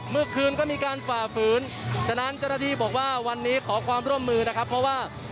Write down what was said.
เมื่อคืนก็มีการฝ่าฝืนฉะนั้นเจ้าหน้าที่บอกว่าวันนี้ขอความร่วมมือนะครับเพราะว่า